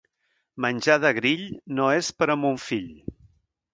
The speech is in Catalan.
Menjar de grill no és per a mon fill.